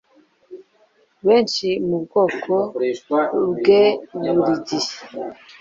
Benshi mubwoko bweburigihe